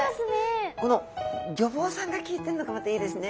このギョボウさんがきいてんのがまたいいですね。